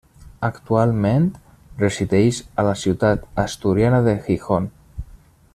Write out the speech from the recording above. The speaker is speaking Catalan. Actualment resideix a la ciutat asturiana de Gijón.